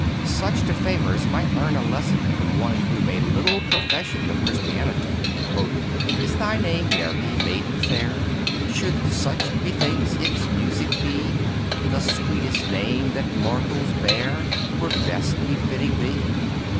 Such defamers might learn a lesson from one who made little profession of Christianity. "Is thy name Mary, maiden fair? Such should, methinks, its music be. The sweetest name that mortals bear, Were best befitting thee.